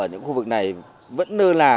ở những khu vực này vẫn nơi là